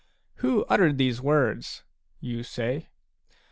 " Who uttered these words ?" you say.